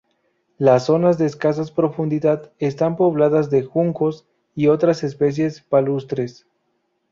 Las zonas de escasa profundidad están pobladas de juncos y otras especies palustres.